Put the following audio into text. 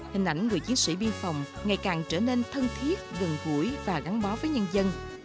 hình ảnh người chiến sĩ biên phòng ngày càng trở nên thân thiết gần gũi và gắn bó với nhân dân